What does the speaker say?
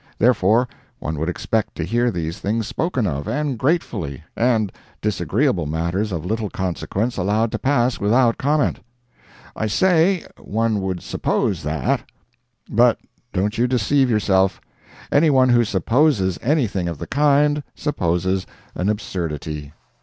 Therefore, one would expect to hear these things spoken of, and gratefully, and disagreeable matters of little consequence allowed to pass without comment. I say, one would suppose that. But don't you deceive yourself—any one who supposes anything of the kind, supposes an absurdity.